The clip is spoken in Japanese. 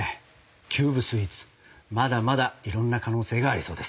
キューブスイーツまだまだいろんな可能性がありそうです。